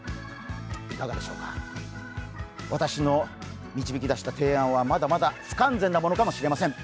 いかがでしょうか、私の導き出した提案はまだまだ不完全なものかもしれません。